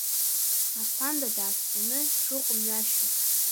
Асҭанда дааԥсаны дшыҟо мҩашьо.